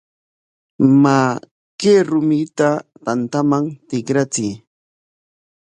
Maa, kay rumita tantaman tikrachiy.